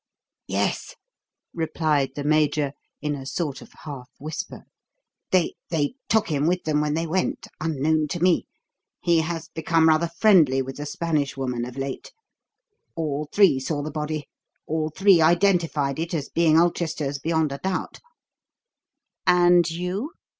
"Yes!" replied the Major in a sort of half whisper. "They they took him with them when they went, unknown to me. He has become rather friendly with the Spanish woman of late. All three saw the body; all three identified it as being Ulchester's beyond a doubt." "And you?